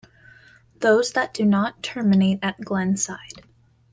Those that do not terminate at Glenside.